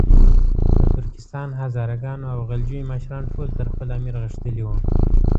د ترکستان، هزاره ګانو او غلجیو مشران ټول تر خپل امیر غښتلي وو.